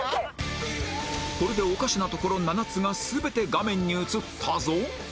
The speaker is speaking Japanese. これでおかしなところ７つが全て画面に映ったぞ